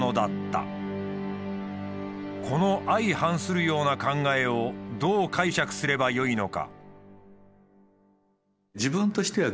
この相反するような考えをどう解釈すればよいのか。